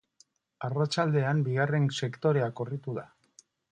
Arratsaldean bigarren sektorea korritu da.